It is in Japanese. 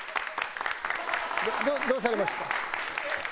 どうされました？